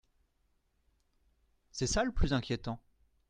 C’est ça le plus inquiétant.